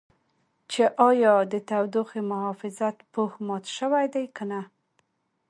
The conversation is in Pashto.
چې ایا د تودوخې د محافظت پوښ مات شوی دی که نه.